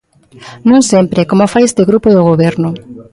Non sempre, como fai este grupo e o Goberno.